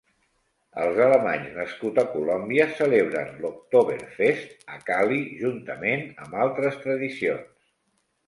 Els alemanys nascuts a Colòmbia celebren l'Oktoberfest a Cali juntament amb altres tradicions.